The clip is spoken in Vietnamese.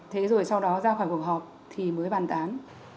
thế rồi sau đó ra khỏi cuộc họp thì mới bàn tán